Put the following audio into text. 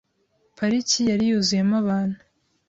Parike yari yuzuyemo abantu .